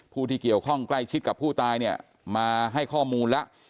ผู้ที่เกี่ยวข้องใกล้ชิดกับผู้ตายเนี่ยมาให้ข้อมูลแล้ว